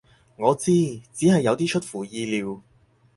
我知，只係有啲出乎意料